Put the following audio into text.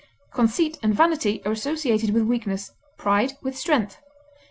Conceit and vanity are associated with weakness, pride with strength.